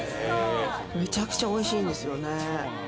めちゃくちゃおいしいんですよね。